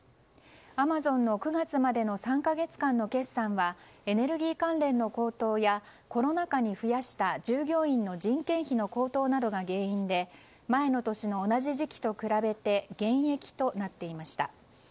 アマゾンの９月までの３か月間の決算はエネルギー関連の高騰やコロナ禍に増やした従業員の人件費の高騰などが原因で前の年の同じ時期と比べて減益となっていました。